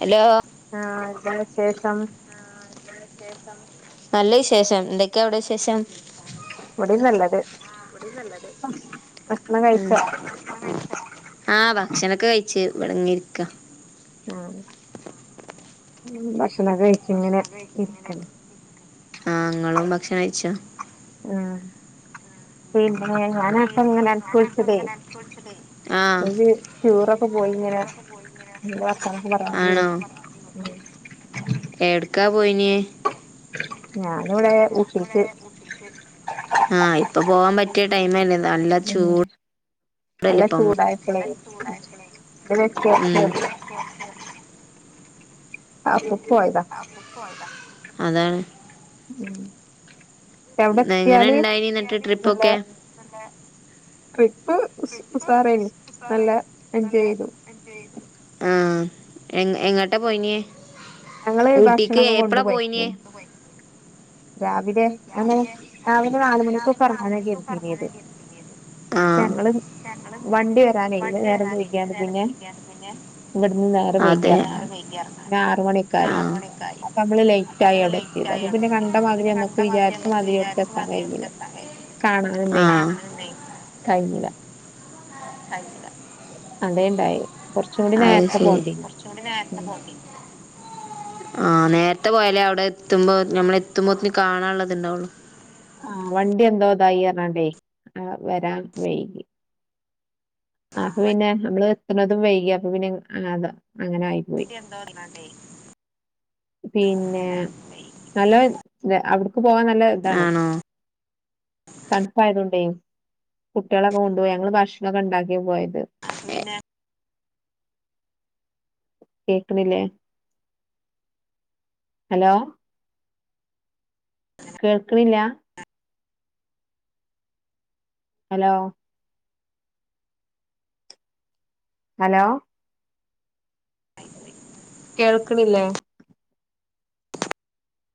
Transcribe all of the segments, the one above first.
Hello ആഹ് എന്താ വിശേഷം നല്ല വിശേഷം എന്തൊക്കെയാ അവിടെ വിശേഷം ഇവടിം നല്ലത് ഭഷണം കഴിച്ച ഉം ആഹ് ഭക്ഷണൊക്കെ കഴിച്ച് ഇവിടങ്ങ ഇരിക്ക ആഹ് ഭക്ഷണക്ക കഴിച്ച് ഇങ്ങനെ ഇരിക്കണ് ആഹ് ഇങ്ങളും ഭക്ഷണം കഴിച്ചോ ആഹ് പിന്നെ ഞാന്പ്പ ഇങ്ങനെ കുൾച്ചതെ ആഹ് [unintelligible] ടൂറൊക്കെ പോയിങ്ങനെ എന്താ വർത്താനൊക്കെ [unintelligible] ഉം എട്ക്കാ പോയിന്യേ ഞാനിവിടെ ഊട്ടിക്ക് ആഹ് ഇപ്പൊ പോവാൻ പറ്റിയ ടൈമന്നെത് ഉം നല്ല ഇപ്പം ചൂടായപ്പളേ [unintelligible] [inaudible] ആപ്പം പോയതാ അപ്പ പോയതാ അതാണ് ഉം എവിടെ എത്തിയാല് നല്ല നല്ലെ ട്രിപ്പ് ഉസ് ഉസാറേനി നല്ല എൻജോയ് ചെയ്തു ആഹ് എ എങ്ങോട്ടാ പോയിന്യേ ഞങ്ങള് ഊട്ടിക്ക് ഭക്ഷണൊക്കെ എപ്പള പോയിന്യേ കൊണ്ടുപോയിക്കേനി രാവിലെ അങ്ങനെ രാവിലെ അങ്ങനെ രാവിലെ നാല് മണിക്കൊക്കെ രാവിലെ നാല് ഇറങ്ങാനാ മണിക്കൊക്കൊ എറങ്ങാനാ കരുതീനത് കര്തിയത് ഞങ്ങള് ഞങ്ങള് വണ്ടി വരാനേ വണ്ടി നേരം വരാനെയ് ഇന്ന് വൈകിയാണ്ട് നേരം പിന്നെ വൈകിയാണ്ട് പിന്നെ ഇവിടുന്ന് നേരം വൈകി എറങ്ങാന് പിന്നെ ആറ് മണിയൊക്ക ആയി ആഹ് അപ്പ നമ്മള് ലൈ റ്റായി അവ്ടെ. എത്തിയത്. അപ്പ പിന്നെ കണ്ടമാതിരി നമ്മക്ക് വിചാരി മാതിരി അടുക്ക് എത്താൻ കഴിഞ്ഞില്ല കാണാനൊന്നേ ആഹ് കഴിഞ്ഞില്ല അത അതെ ഇണ്ടായെ കൊറച്ചും കൂടി നേരത്തെ ശരി പോണ്ടിനി ഉം ആഹ് നേരത്തെ പോയാലേ അവിടെ എത്തുമ്പോ ഞമ്മള് എത്തുമ്പോത്തിന് കാണാൻള്ളത് ഇണ്ടാവുള്ളു ആഹ് വണ്ടി എന്തോ ഇതായി അറഞ്ഞാണ്ടെ ഏഹ്‌ വരാൻ വൈകി ആപ്പൊ പിന്നെ നമ്മള് എത്ത്ണതും വൈകി അപ്പൊ പിന്നെ അത അങ്ങനായി ണ്ടി എന്തോ ഇതിനാണ്ടെ പിന്നെ നല്ല അവിടുക്ക് പോവാൻ നല്ല ഇതാണ് ആണോ തണുപ്പായത് കൊണ്ടേ കുട്ടികളൊക്കെ കൊണ്ടുപോയി ഞങ്ങള് ഭക്ഷണൊക്കെ ഇണ്ടാക്കിയ പോയത് അത് പിന്നെ കേക്ക്ണില്ലേ ഹലോ കേൾക്ക്ണില്ല ഹലോ ഹലോ ക കേൾക്ക്ണില്ലേ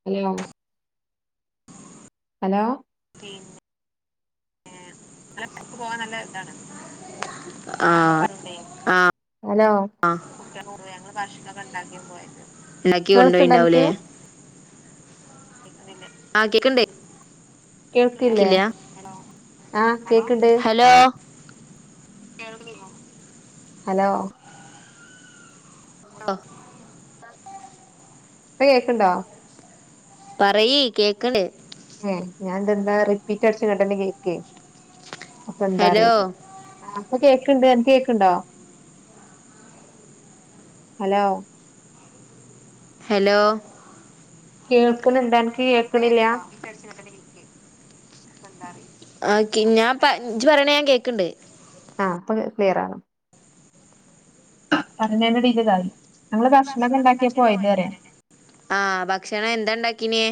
ഹലോ ഹലോ പിന്നെ [unintelligible] പോവാൻ നല്ലത് ഇതാണ് ആ [unintelligible] ആ ഹലോ ആ ഉണ്ടാക്കി കേൾക്കണ്ട അനക്ക് കൊണ്ടുപോയിണ്ടാവൂലേ ആകീറ്റ്ണ്ടേ കേൾക്കില്ലേ ല്ല ആഹ് കേക്കണ്ട് ഹലോ കേൾക്ക്ന്നില്ലേ ഹലോ ലോ ഇപ്പൊ കേക്ക്ണ്ടോ പറയ് കേക്ക്‌ണ്ട് ഏ ഞാന് ഇതെന്താ റിപ്പീറ്റ് അട്ച്ച് കാണ്ടന്നെ കേക്കേ അപ്പൊ എന്താ ഹലോ അറിയില്ല ആ പ്പൊ കേക്ക്ണ്ട് അന്ക് കേക്ക്ണ്ടോ ഹലോ ഹലോ കേൾക്ക്ണ്‌ണ്ടോ അൻ പ്പൊ കേക്ക്ണ്ടോ [unintelligible] ആ [unintelligible] ഞാൻ പ ഇജ്ജ് പറയണ ഞാൻ കേക്ക്ണ്ട് ആ പ്പൊ ക്ലിയർ ആണ് പറഞ്ഞ ടീൽ ഇതായി ഞങ്ങള് ഭക്ഷണൊക്കെ ഉണ്ടാക്കിയാ പോയത് റിയ ആഹ് ഭക്ഷണം എന്താണ്ടാക്കിനേ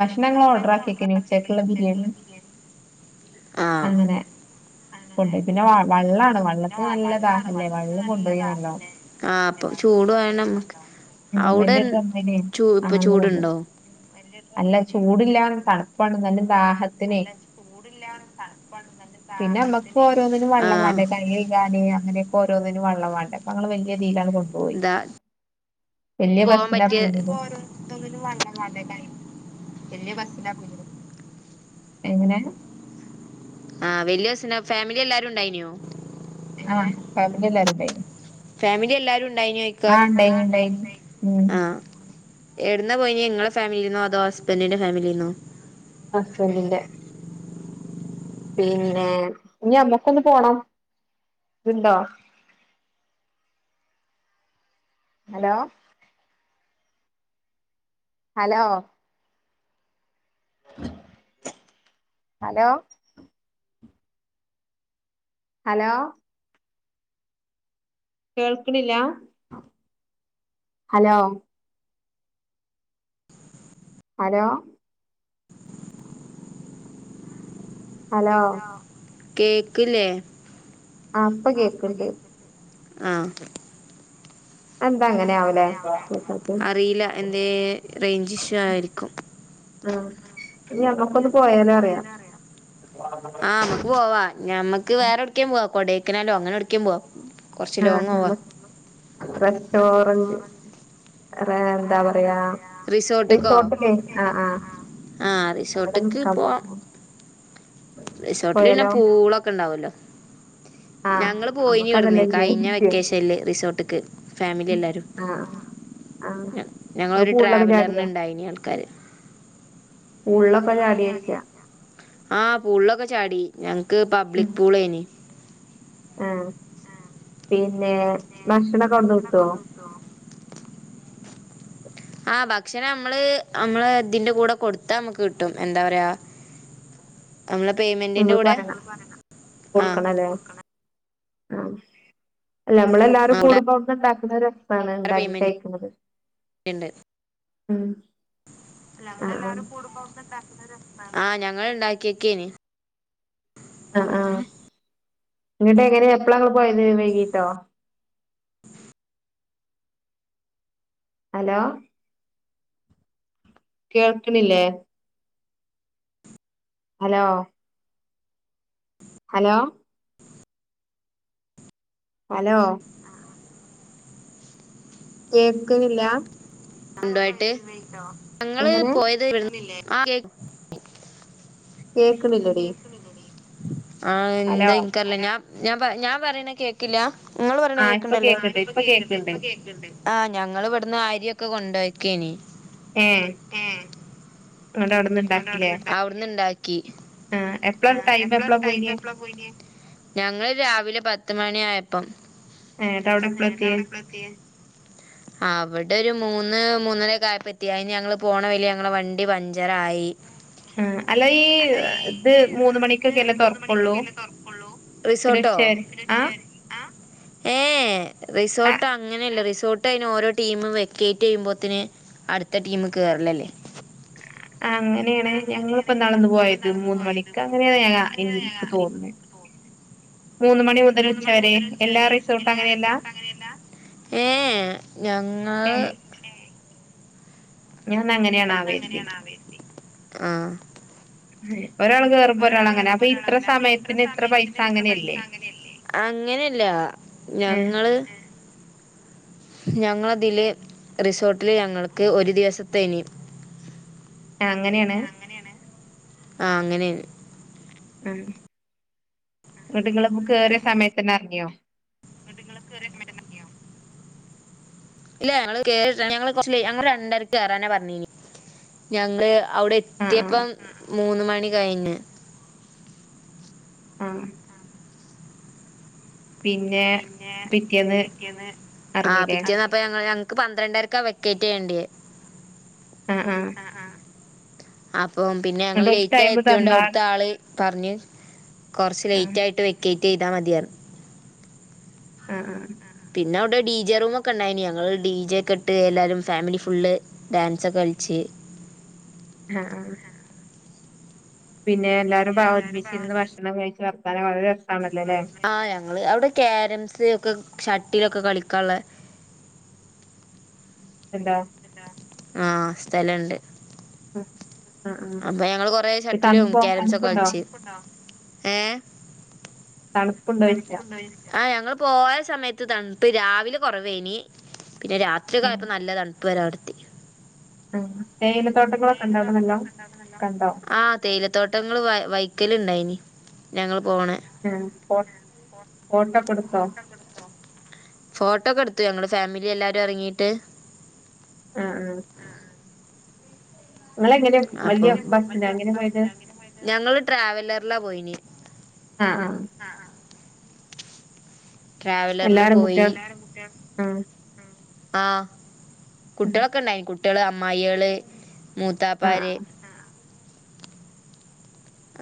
ഭക്ഷണം ഞങ്ങള് ഓർഡർ ആക്കിക്കെന് ഉച്ചക്കുള്ള ബിരിയാണി ആ അങ്ങനെ കൊണ്ടുപോയി പിന്നെ വ വള്ളാണ് വള്ളത്തിന് നല്ലതാഹല്ലേ വള്ളം കൊണ്ടോയി നല്ലോണം ആ അപ്പൊ ചൂട് വേണംക്ക് ഉം അവിടെ വല്യ ഡ്രമ്മില് ചൂ ഇപ്പൊ അങ്ങനെ കൊണ്ടോയി ചൂടുണ്ടോ അല്ല ചൂടില്ലാ തണുപ്പാണ് നല്ല ദാഹ അല്ല ചൂടില്ല തണുപ്പാണ് നല്ല ദാഹത്തിനെ ആഹ് കാനേ അങ്ങനെയൊക്കെ ഓരോന്നിനും വള്ളമാണ്‌ണ്ടേ അപ്പൊങ്ങള് വല്ല്യതീലങ് കൊണ്ടോയി അഹ് പോവാൻ ബസ്സിലാ പറ്റിയ [unintelligible] പോയിനത് തൊന്നന [unintelligible] വല്ല്യ ബസില [unintelligible] എങ്ങനെ ആഹ് വല്യയസിന ഫാമിലി എല്ലാരും ഉണ്ടായിനോ ആഹ് ഫാമിലി എല്ലാരും ണ്ടെയിനിം ഫാമിലി എല്ലാരും ഉണ്ടായിനോയ്ക്ക ഇണ്ടായിനി ആഹ് ണ്ടെയിനിം ഇണ്ടായിനി ണ്ടെയിനിം ഉം ആഹ് എട്ന്നാ പോയിനെ ങ്ങളെ ഫാമിലിന്നോ അതോ ഹസ്ബൻറിന്റെ ഫാമിലിന്നോ ഹസ്ബൻഡിന്റെ പിന്നെ ഇനി ഞമ്മക്കൊന്ന് പോണം ഇണ്ടോ ഹലോ ഹലോ ഹലോ ഹലോ കേൾക്കണില്ല ഹലോ ഹലോ ഹലോ കേക്കില്ലേ ആ ഇപ്പൊ കേക്കണ്ട് ആഹ് എന്താ അങ്ങനെയ ആാവലേ അറിയില്ല എന്തേ റേഞ്ച് ഇഷ്യൂ ആയിരിക്കും ആഹ് ഇനി ഞമ്മക്കൊന്ന് പോയാലോ റിയാ ആഹ് നമ്മക്ക് പോവാ ഞമ്മക്ക് വേറെ എടക്ക പോവാ കൊടേക്കനാലോ അങ്ങനെ എവിടേക്കോ പോവാ കൊറച്ച് ലോങ് ആഹ് പോവാ റസ്‌റ്റോറന്റ് റേ എന്താ പറയാ റിസോർട്ട്ക്കോ റിസോർട്ടിലേ ആ ആ ആഹ് അവടെ റിസോർട്ട്ക്ക് നിക്കാ പോവാ റിസോർട്ടിൽ പിന്നെ പൂളൊക്കെ ഉണ്ടാവല്ലോ ആ ഞങ്ങള് പോയിന് നമ്മക്ക് ഇവിടന്ന് അതല്ലേ എൻജോയ് കഴിഞ്ഞ വെക്കേഷനില് റിസോർട്ട്ക്ക് ഫാമിലി ആഹ് ആഹ് ഞങ്ങളരു ട്രാവലറിനണ്ടായിനി ആൾക്കാാര് പൂളിലൊക്കെ ചാടിയോയ്ച്ച ആഹ് പൂളൊക്കെ ചാടി ഞങ്ങക്ക് പബ്ലിക് പൂളെയ്നി ആഹ് പിന്നെ ഭക്ഷണക്കെ അവിടുന്ന് കിട്ടുവോ [inaudible] ആഹ് ഭക്ഷണ നമ്മള് നമ്മള് ഇതിന്റെ കൂടെ കൊടുത്താ നമ്മക്ക് കിട്ടും എന്താ പറയാ [inaudible] നമ്മളെ പേയ്‌മെ നമ്മൾ പറയണം കൊടുക്കണല്ലേ ആഹ് അല്ല നമ്മളെല്ലാരും കൂടുമ്പോ ഒന്ന് ഉണ്ടാക്കുന്നരസാ ഉണ്ടാക്കി പേയ്മെന്റ് കഴിക്കുന്നത് ഉ ആഹ് ഞങ്ങള് ഇണ്ടാക്കിയൊക്കേന് ആഹ് ആഹ് ഇങ്ങോട്ട് എങ്ങനാ എപ്പളാ ഇങ്ങൾ പോയത് വൈകീട്ടോ [inaudible] ഹലോ കേൾക്കണില്ലേ ഹലോ ഹലോ ഹലോ കേക്കുണില്ല ഉണ്ടയിട്ട് ഞങ്ങള് എങ്ങനെ പോയത് ആഹ് കേൾക് കേക്കണ ണ്ടടി ആഹ് എന്താ ഇനിക്കറില്ല ഞാൻ ഞാൻ ഞാൻ പറയണ കേക്കില്ല നിങ്ങള് പറയണ ആ ഇപ്പൊ കേക്കണ്ടല്ലേ ആഹ് കേക്കണ്ട് ഇപ്പ ഇപ്പൊ കേക്കണ്ട് ഇപ്പ കേക്കണ്ട് ആഹ് ഞങ്ങള് ഇവിടുന്ന് ആരിയൊക്കെ കൊണ്ടോയ്ക്കനി ഏഹ അവിടട് അവിടന്നുണ്ടാക്കി ആഹ് എപ്പളാ ടൈം എപ്പളാ പോയിന് വൈകിട്ട് [unintelligible] ഞങ്ങള് രാവിലെ പത്ത് മണി ആയ എന്നിട്ട് അവിടെ എപ്പളത്തിയേ പ്പത്തിയെ [inaudible] ആഹ് അവിടെ ഒരു മൂന്ന് മൂന്നരക്ക ആയപ്പെത്തി അതിന് ഞങ്ങൾ പോണ വഴി ഞങ്ങടെ വണ്ടി പഞ്ചറായി ആഹ് അല്ല ഈ ഇത് മൂന്ന് മണിക്കൊക്കെ അല്ലേ തുറക്കുള്ളൂ പിന്നെ ഉച്ചവരെ ആഹ് ആഹ് ഏഹ് ആ റിസോർട്ട് അങ്ങനെയല്ല റിസോർട്ട് അതിന് ഓരോ ടീമും വെക്കേറ്റ് ചെയ്യോമ്പേത്തിന് അടുത്ത ടീം കേറലല്ലേ അങ്ങനെയാണ് ഞങ്ങളിപ്പ നടന്നു പോയത് മൂന്ന് മണിക്ക് അങ്ങനെയാണ് ഞ എനിക്ക് തോന്നുന്നെ മൂന്ന് മണി മുതൽ മൂന്ന് മണി ഉച്ചവരെ മുതൽ എല്ലാ ഉച്ചവരെ റിസോർട്ടും എല്ലാ അങ്ങനെയല്ല റിസോർട്ട് അങ്ങനെയല്ലാ ഏഹ് ഞങ്ങൾ ഏ ഇന്നങ്ങനെ ഞാൻ അങ്ങനെയാണ് അറിയത്തി ഇപ്പ ഒരാൾ കേറുമ്പോ ഒരാൾ അങ്ങനെ അപ്പൊ ഇത്ര സമയത്തിന് ഇത്ര പൈസ അങ്ങനെയല്ലേ അങ്ങനെയല്ല ഏ ഞങ്ങള് ഞങ്ങളതിലെ റിസോർട്ടില് ഞങ്ങൾക്ക് ഒരു ദിവസത്തെനി ആഹ് അങ്ങനെയാണ് ആഹ് അങ്ങനെയാണ് ഉം എന്നിട്ട് നിങ്ങള് കേറിയ സമയത്തന്നെ ഇറങ്ങിയോ [inaudible] ഇല്ല ഞങ്ങള് കേ ഞങ്ങള് കൊറച്ച് ഞങ്ങള് രണ്ടരക്ക് കേറാന പറഞ്ഞേനീ ഞങ്ങള് അവിടെ ആ ആ എത്തിയപ്പം മൂന്ന് മണി കഴിഞ്ഞ് ഉം പിന്നെ പിറ്റേന്ന് അ ഇറങ്ങില്ലേ പിറ്റേന്ന് അ അപ്പൊ ഞ ഞങ്ങക്ക് പന്ത്രണ്ടരക്കാ വെക്കേറ്റ് ചെയ്യേണ്ടേത് ഉം ഉം അപ്പം പിന്നെ ഞങ്ങൾ എന്നിട്ട് ഓൽക്ക് ലേറ്റ് ആയി ടൈം എത്തിയോണ്ട് തന്നാ അവിടുത്തെ ആള് പറഞ്ഞു കുറച്ച് ആ ലേറ്റ് ആയിട്ട് വെക്കേറ്റ് ചെയ്താൽ മതിയ ഉം ഉം പിന്നെ അവിടെ ഡി ജെ റൂമൊക്കെ ഉണ്ടായിന് ഞങ്ങള് ഡി ജെ ഒക്കെ ഇട്ട് എല്ലാരും ഫാമിലി ഫുള്ള് ഡാൻസൊക്കെ കളിച്ച് ആഹ് ആഹ് പിന്നെ എല്ലാരും പാ ഒരുമിച്ചിരുന്ന് ഭക്ഷണം കഴിച്ച് വർത്താനം പറഞ്ഞ് ര ആഹ് ഞങ്ങള് അവിടെ കാരംസ് ഒക്കെ ഷട്ടിലൊക്കെ കളിക്കാനുള്ള എന്താ ആഹ് സ്ഥലണ്ട് ഉ അപ്പൊ ഞങ്ങള് കൊറെ ഷട്ടിലും കാരംസ് ഒക്കെ തണുപ്പുണ്ടോ കളിച്ച് ഏഹ് തണുപ്പുണ്ടോയ്ച്ച ആഹ് ഞങ്ങള് പോയ സമയത്ത് തണുപ്പ് രാവിലെ കുറവേനി പിന്നെ രാത്രി ഉം കായപ്പം നല്ല തണുപ്പ് പ്പരാ വർത്തി ആ തേയില തോട്ടങ്ങളൊക്കെ ഉണ്ടോ അവിടെ തേയിലത്തോട്ടങ്ങൾ നല്ലോം ഉണ്ടോ നാല്ലോ കണ്ടോ ആ തേയിലത്തോട്ടങ്ങൾ വ വൈക്കല് ഉണ്ടായിന് ഞങ്ങൾ പോണ ഉ ഫ ഫോട്ടോ ഒക്കെ എടുത്തോ ഫോട്ടോ ഒക്കെ എടുത്തു ഞങ്ങൾ ഫാമിലി എല്ലാവാരും ഇറങ്ങിയിട്ട് ആഹ് ആഹ് നിങ്ങളെങ്ങനെ അപ്പ വലിയ ബസ്സിനാ എങ്ങനെ പോയത് ഞങ്ങള് ട്രാവലറിലാ പോയിന് ആഹ് ആഹ് ആഹ് ആഹ് ട്രാവലറില് എല്ലാരും പോയി കുട്ടികൾ ആഹ് ആഹ് കുട്ടിളൊക്കെ ഇണ്ടായിന് കുട്ടിള് അമ്മായിള് ആഹ് മൂത്താപ്പാര്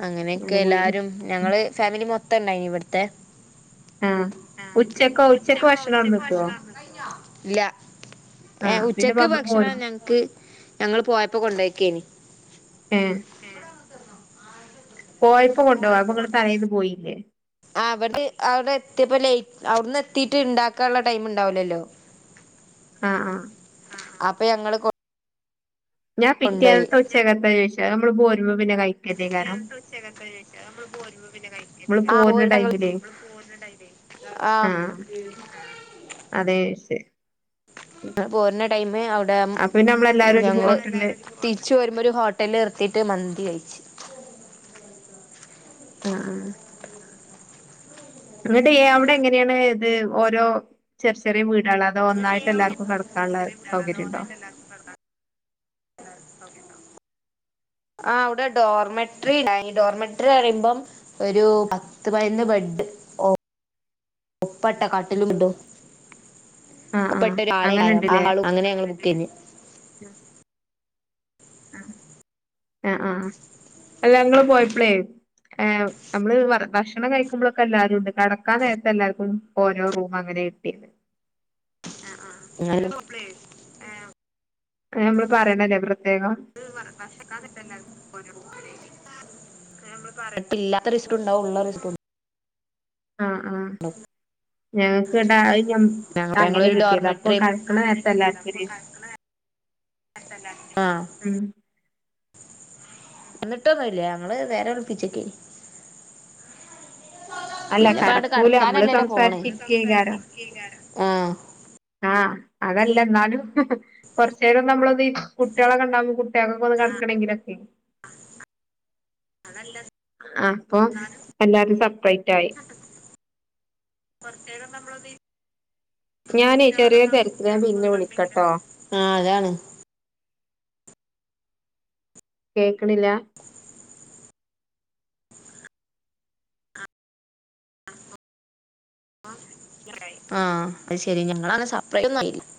അങ്ങനെയൊക്കെ അങ്ങനെ പോയില്ലേ എല്ലാരും ഞങ്ങള് ഫാമിലി മൊത്തം ഇണ്ടായിന ഇവിടത്തെ ഉം ഉച്ചക്കോ ഉച്ചക്ക് ഭക്ഷണംഅവിടന്ന് കിട്ടോ ഇല്ല ഏ ആഹ് പിന്നെ ഉച്ചക്ക് പമ്പ് ഭക്ഷണം പോരും ഞങ്ങക്ക് ഞങ്ങൾ പോയപ്പോ കൊണ്ടോയാക്കിനൂ ഏഹ് പോയപ്പോ കൊണ്ടോ അപ്പൊ നിങ്ങൾ തലേന്ന് പോയില്ലേ അവിടെ അവിടെ എത്തിയപ്പോ ലേറ്റ് അവിടെന്ന് എത്തിട്ട് ഇണ്ടാക്കാനുള്ള ടൈം ഉണ്ടാവൂലല്ലോ ആഹ് ആഹ് അപ്പൊ ഞങ്ങള് ഞാൻ കൊണ്ടുപോയി പിറ്റേന്നത്തെ ഉച്ചക്കാത്താ ചോദിച്ചാ നമ്മള് പോരുമ്പോ പിന്നെ കഴി പിറ്റേന്നത് ഉച്ചകത്ത് ചോദിച്ച നമ്മൾ ബോരുമ്പ പിന്നെ നമ്മള് കഴിക്ക ആ പോരുന്ന പ്പോര് പ്പ ടൈമിലേ ൾ ആ ആഹ് അതെ ശരി പോരുന്ന ടൈമ അവിടെ അപ്പൊ പിന്നെ നമ്മളെല്ലാരും ഒരു ഞങ്ങള് ഹോട്ടലില് തിരിച്ച് വരുമ്പോൾ ഒരു ഹോട്ടലിൽ നിർത്തിയിട്ട് മന്തി കഴിച്ച് ആഹ് ങ്ങട്ട് അവിടെ എങ്ങനെയാണ് ഇത് ഓരോ ചെറിയ ചെറിയ വീടളാ ചെറിയ വീട് ള്ള് ആണോ ഉണ്ടോ ഓക്കെ ആ അവിടെ ഡോർമട്രി ഡോർമട്രി പറയുമ്പം ഒരു പത്ത് പയിന്ന് ബെഡ് ഒപ്പാട്ട കാട്ടിലു ആഹ് [unintelligible] ആഹ് പെട്ട ആള അങ്ങനെ ആ ഉണ്ടല്ലേ ആളു അങ്ങനെ ഞങ്ങള് ബുക്ക് [unintelligible] ആഹ് ആഹ് അല്ലങ്ങള് പോയപ്പളെ ഏ്ഹ് നമ്മള് ഭക്ഷണം കഴിക്കുമ്പോളൊ ക്കെ എല്ലാവരും ഉണ്ട് കടക്കാൻ നേരത്ത് എല്ലാർക്കും ഓരോ റൂം അങ്ങനെ കിട്ടിയേ എന്നാലും ക്ക നമ്മള് പറയണല്ലേ പ്രത്യേകം [unintelligible] ഇല്ലാത്ത റിസ്ടുണ്ടാവും ള്ള റിസ്ടു ആഹ് ആഹ് ഞങ്ങക്ക്ട ഞങ്ങൾ അങ്ങനെ ഞങ്ങളൊരു കിട്ടിയത് അപ്പൊ ഡോർമെട്രിയും കടക്കണ നേരത്തല്ലാർക്കൊര് ആഹ് ഉം എന്നിട്ടൊന്നുംല്ല ഞങ്ങള് വേറെ വിളിപ്പിചോക്കി അല്ല പിന്നെപ്പോ ആട കടക്കൂല നമ്മള് കടക്കാനല്ലല്ലോ പോണ് സംസാരിച്ചിരിക്കേക്കാരം ആഹ് ആഹ് അതല്ല ന്നാലും കൊറച്ചേരം നമ്മളത് കുട്ടികളൊക്കെ ഇണ്ടാകുമ്പോ [unintelligible] ഒന്ന് കടക്കണെങ്കിലൊക്കെ അതല്ല ആഹ് അപ്പൊ എല്ലാരും സപ്പറേറ്റ് ആയി കൊറച്ചേരം നമ്മളൊന്ന് ഞാനേ ചെറിയ തെരക്ക് ഞാൻ പിന്നെ വിളിക്കട്ടോ ആഹ് അതാണ് കേക്കണില്ല? ആഹ് പ്പ ശരി ഞങ്ങളങ്ങനെ സപ്രൈ [unintelligible]